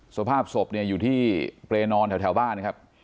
สภาพศพอยู่ที่เกรนอนแถวแถวบ้าน